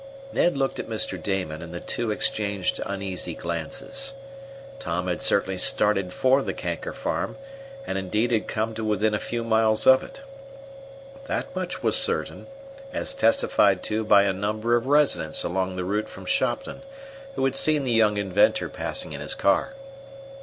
Ned looked at Mr. Damon, and the two exchanged uneasy glances. Tom had certainly started for the Kanker farm, and indeed had come to within a few miles of it. That much was certain, as testified to by a number of residents along the route from Shopton, who had seen the young inventor passing in his car.